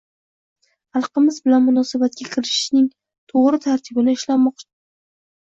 xalqimiz bilan munosabatga kirishishning to‘g‘ri tartibini ishlab chiqmoq